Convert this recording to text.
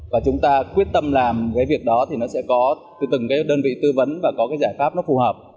và chúng ta quyết tâm làm cái việc đó thì nó sẽ có từ từng cái đơn vị tư vấn và có cái giải pháp nó phù hợp